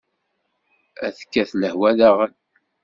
Ad tekkat lehwa daɣen!